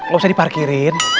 gak usah diparkirin